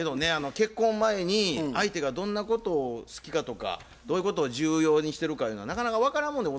結婚前に相手がどんなことを好きかとかどういうことを重要にしてるかゆうのはなかなか分からんもんでございまして。